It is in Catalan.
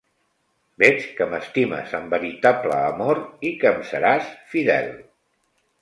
Veig que m'estimes amb veritable amor i que em seràs fidel.